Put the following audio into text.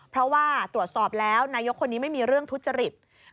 เพราะว่าตรวจสอบแล้วนายกคนนี้ไม่มีเรื่องทุจริต